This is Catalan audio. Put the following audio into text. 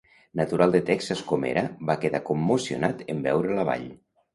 Natural de Texas com era, va quedar commocionat en veure la vall.